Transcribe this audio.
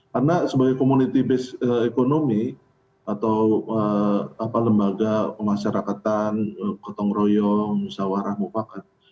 karena sebagai community based economy atau lembaga kemasyarakatan ketong royong sawara mupakan